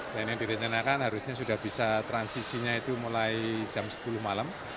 dan yang direncanakan harusnya sudah bisa transisinya itu mulai jam sepuluh malam